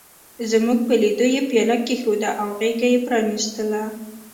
زموږ په لیدو یې پياله کېښوده او غېږه یې پرانستله.